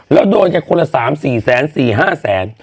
แล้วโดนจากคนละ๓ยาว๔๐๐๐๐หรือ๕๐๐๐